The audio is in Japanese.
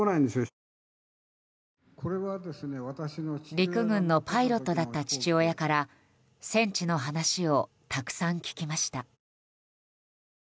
陸軍のパイロットだった父親から戦地の話をたくさん聞きました。